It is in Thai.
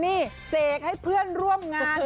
นี่เสกให้เพื่อนร่วมงาน